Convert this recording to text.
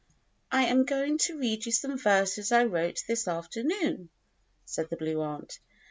"I am going to read you some verses I wrote this afternoon," said the Blue Aunt.